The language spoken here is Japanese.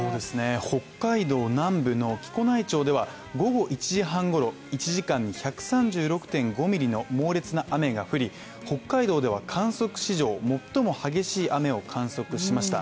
北海道南部の木古内町では午後１時半ごろ、１時間に１３６．５ミリの猛烈な雨が降り北海道では、観測史上、最も激しい雨を観測しました。